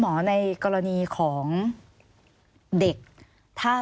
สวัสดีค่ะที่จอมฝันครับ